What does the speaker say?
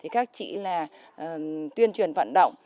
các tri là tuyên truyền vận động